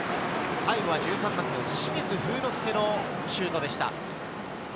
最後は１３番の清水楓之介のシュートでした。